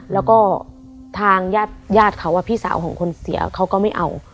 แล้วก็ทางญาติญาติเขาพี่สาวของคนเสียเขาก็ไม่เอา